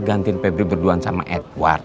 gantiin febri berduaan sama edward